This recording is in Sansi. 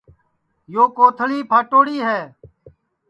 یو کوتݪی پھاٹوڑی ہے